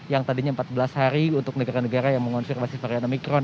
yang tadinya empat belas hari untuk negara negara yang mengonfirmasi varian omikron